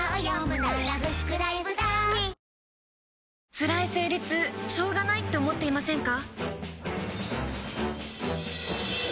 つらい生理痛しょうがないって思っていませんか？